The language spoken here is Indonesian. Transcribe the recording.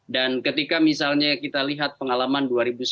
dan ketika misalnya kita lihat pengalaman dua ribu sembilan belas